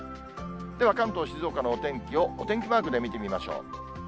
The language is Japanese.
では、関東、静岡のお天気を、お天気マークで見てみましょう。